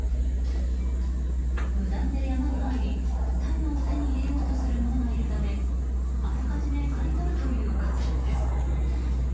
無断で山に入り、大麻を手に入れようとする者がいるためあらかじめ刈り取るという活動です。